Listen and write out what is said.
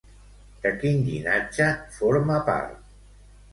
De quin llinatge forma part?